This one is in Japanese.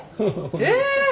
え！